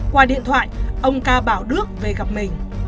qua điện thoại ông ca bảo đức về gặp mình